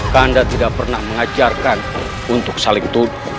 anda tidak pernah mengajarkan untuk saling tuduh